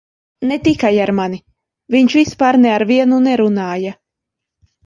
Ne tikai ar mani - viņš vispār ne ar vienu nerunāja.